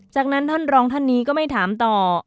จากนั้นท่านรองท่านนี้ก็ไม่ถามต่อ